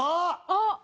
あっ！